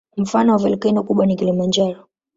Mfano wa volkeno kubwa ni Kilimanjaro.